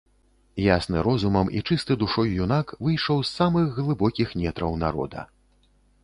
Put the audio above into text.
Ясны розумам і чысты душой юнак выйшаў з самых глыбокіх нетраў народа.